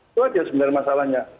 itu saja sebenarnya masalahnya